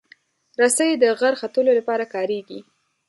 رسۍ د غر ختلو لپاره کارېږي.